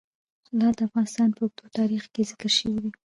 لعل د افغانستان په اوږده تاریخ کې ذکر شوی دی.